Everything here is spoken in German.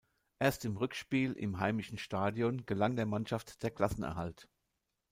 Erst im Rückspiel im heimischen Stadion gelang der Mannschaft der Klassenerhalt.